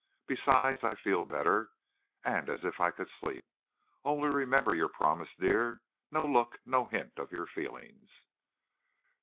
Besides, I feel better, and as if I could sleep. Only remember your promise, dear. No look, no hint of your feelings."